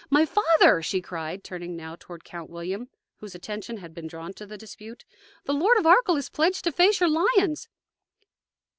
My father!" she cried, turning now toward Count William, whose attention had been drawn to the dispute, "the Lord of Arkell is pledged to face your lions!"